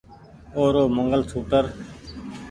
او رو منگل ڇي